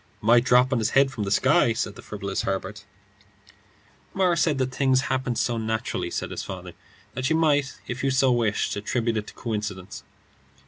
"Might drop on his head from the sky," said the frivolous Herbert. "Morris said the things happened so naturally," said his father, "that you might if you so wished attribute it to coincidence."